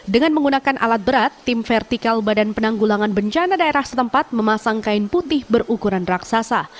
dengan menggunakan alat berat tim vertikal badan penanggulangan bencana daerah setempat memasang kain putih berukuran raksasa